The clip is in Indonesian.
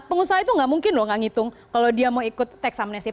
pengusaha itu nggak mungkin loh gak ngitung kalau dia mau ikut teks amnesti